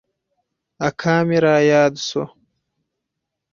اکا مې راياد سو.